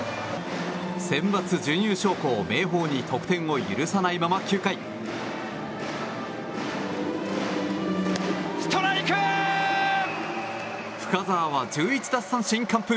センバツ準優勝校明豊に得点を許さないまま９回深沢は１１奪三振完封。